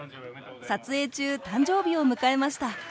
撮影中誕生日を迎えました。